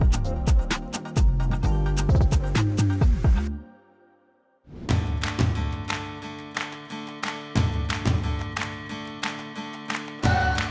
สวัสดีครับ